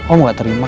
om gak terima